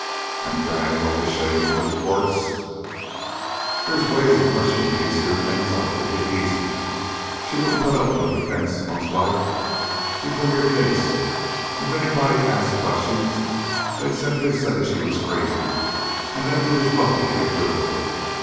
"And drag all this shame into the courts?" "They's ways of hushing these here things up. It'd be easy. She wouldn't put up no defense, mostlike. You'd win your case. And if anybody asked questions, they'd simply say she was crazy, and that you was lucky to get rid of her.